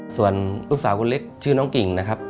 ส่วนลูกสาวคนเล็กชื่อน้องกิ่งนะครับ